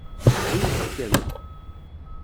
Ad iyi-t-tefkem?